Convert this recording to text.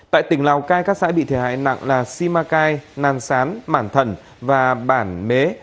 tại tỉnh lào cai các xã bị thiệt hại nặng là simacai nàn sán mản thần và bản mế